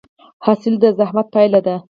حاصل د زحمت پایله ده؟